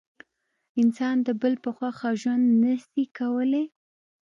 انسان د بل په خوښه ژوند نسي کولای.